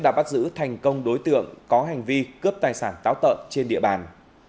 đã bắt giữ thành công đối tượng có hành vi cướp tài sản táo tợn trên địa bàn